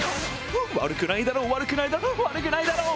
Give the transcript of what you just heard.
悪くないだろう悪くないだろう悪くないだろう！